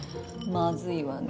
まずいわね。